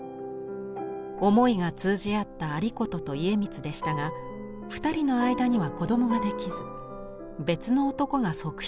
思いが通じ合った有功と家光でしたが二人の間には子どもができず別の男が側室になることに。